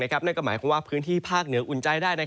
นั่นก็หมายความว่าพื้นที่ภาคเหนืออุ่นใจได้